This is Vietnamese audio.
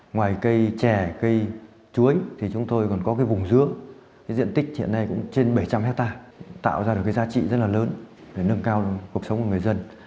ngoài cây chè cây chuối thì chúng tôi còn có cái vùng dứa cái diện tích hiện nay cũng trên bảy trăm linh hectare tạo ra được cái giá trị rất là lớn để nâng cao cuộc sống của người dân